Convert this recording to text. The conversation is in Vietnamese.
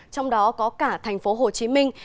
trong đó có cả thành phố hồ chí minh